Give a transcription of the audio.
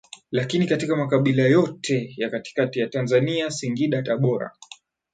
lakini katika Makabila yote ya katikati ya Tanzania Singida Tabora